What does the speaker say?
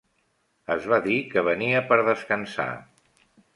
Es va dir que venia per descansar.